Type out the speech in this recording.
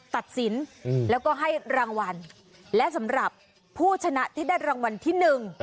ตัดสินแล้วก็ให้รางวัลและสำหรับผู้ชนะที่ได้รางวัลที่หนึ่ง